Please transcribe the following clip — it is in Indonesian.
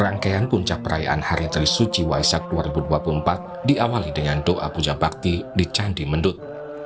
rangkaian puncak perayaan hari trisuci waisak dua ribu dua puluh empat diawali dengan doa puja bakti di candi mendut